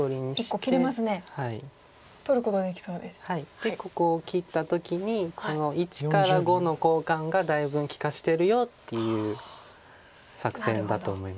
でここを切った時にこの①から⑤の交換がだいぶん利かしてるよっていう作戦だと思います。